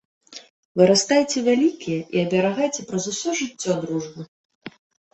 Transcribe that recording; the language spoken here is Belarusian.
Вырастайце вялікія і аберагайце праз усё жыццё дружбу.